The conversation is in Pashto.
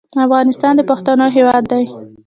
افغانستان د پښتنو هېواد دی.